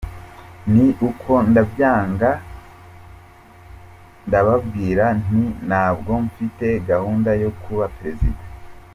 Ni uko ndabyanga, ndababwira nti ntabwo mfite gahunda yo kuba Perezida..."